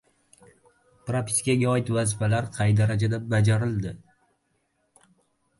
Propiskaga oid vazifalar qay darajada bajarildi?